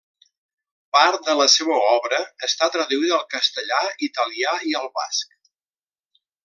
Part de la seua obra està traduïda al castellà, italià i al basc.